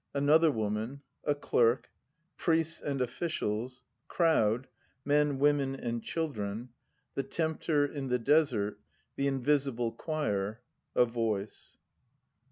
Another Woman. A Clerk. Priests and Officials. Crowd: Men, Women and Children. The Tempter in the Desert. The Invisible Choir. A Voice.